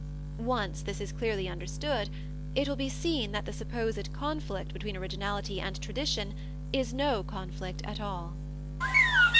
Once this is clearly understood, it will be seen that the supposed conflict between originality and tradition is no conflict at all.